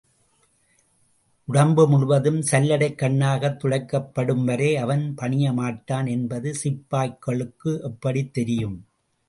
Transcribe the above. உடம்பு முழுவதும் சல்லடைக் கண்ணாகத் துளைக்கப்படும்வரை அவன் பணிய மாட்டான் என்பது சிப்பாய்களுக்கு எப்படித் தெரியும்?